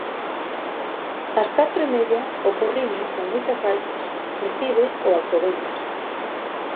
Ás catro e media o Porriño, con moitas baixas, recibe, o Alcobendas.